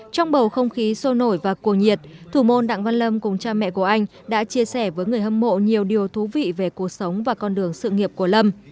trong bầu không khí sôi nổi và cuồng nhiệt thủ môn đặng văn lâm cùng cha mẹ của anh đã chia sẻ với người hâm mộ nhiều điều thú vị về cuộc sống và con đường sự nghiệp của lâm